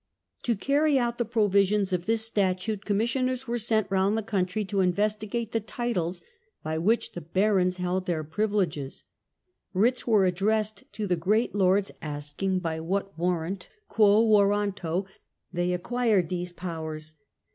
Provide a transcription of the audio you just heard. To carry 86 REFORMS IN LAW. out the provisions of this statute commissioners were sent round the country to investigate the titles by which the barons held their privileges. Writs were addressed to the great lords asking by what warrant {quo warranto) they acquired these powers.